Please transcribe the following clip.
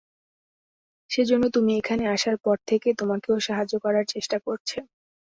সেজন্য তুমি এখানে আসার পর থেকে তোমাকে ও সাহায্য করার চেষ্টা করছে।